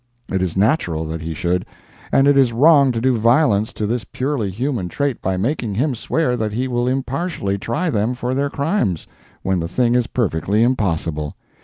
It is natural that he should, and it is wrong to do violence to this purely human trait by making him swear that he will impartially try them for their crimes, when the thing is perfectly impossible.